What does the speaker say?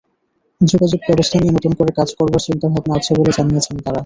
যোগাযোগব্যবস্থা নিয়ে নতুন করে কাজ করবার চিন্তাভাবনা আছে বলে জানিয়েছে তারা।